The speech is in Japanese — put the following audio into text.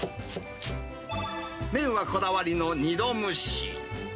麺はこだわりの２度蒸し。